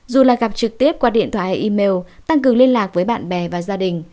dù là gặp trực tiếp qua điện thoại email tăng cường liên lạc với bạn bè và gia đình